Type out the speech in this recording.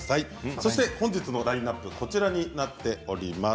そして本日のラインナップはこちらになっております。